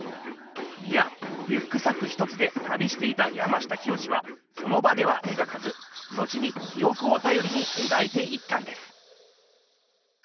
いやリュックサック１つで旅していた山下清はその場ではえがかずのちにきおくをたよりにえがいていったんです。